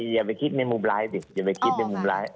อย่าไปคิดในมุมร้ายสิอย่าไปคิดในมุมร้าย